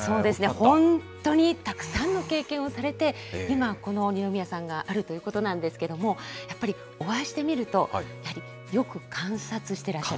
本当にたくさんの経験をされて、今、この二宮さんがあるということなんですけれども、やっぱりお会いしてみると、やはりよく観察してらっしゃる。